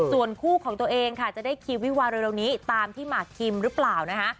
ส่วนคู่ของตัวเองค่ะจะได้คิววิวาเร็วนี้ตามที่หมากคิมหรือเปล่านะคะ